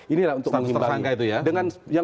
ini lah untuk membalik dengan yang menurut pak jokowi itu ya